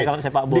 kalau saya pakbola